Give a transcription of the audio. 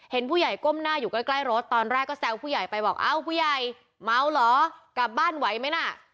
เห็นผู้ใหญ่ก้มหน้าอยู่ใกล้รถตอนแรกก็แซวผู้ใหญ่ไปบอกอ้าวผู้ใหญ่เมาเหรอกลับบ้านไหวไหมน่ะ